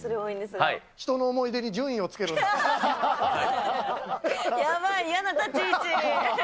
人の思い出に順位をつけるんやばい、嫌な立ち位置。